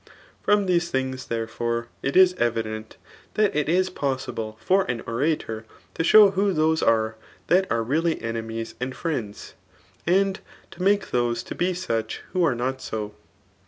Fh>m Aese tfafligs, therefore, it is evident, that itis possible (%ran nntor] to show who those are that are teaHy emniea and friends, ^nd tamake those to be such ifiho are not so.